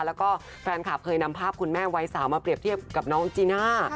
แล้วก็แฟนคลับเคยนำภาพคุณแม่วัยสาวมาเรียบเทียบกับน้องจีน่า